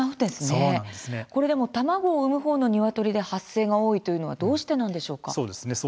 卵を産む方のニワトリで発生が多いのはどうしてなんでしょうか。